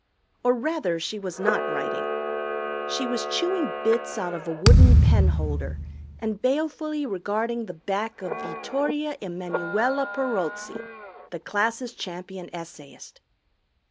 Or rather she was not writing. She was chewing bits out of a wooden pen holder and balefully regarding the back of Vittoria Emanuella Perozzi, the class' champion essayist.